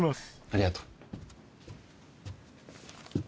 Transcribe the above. ありがとう。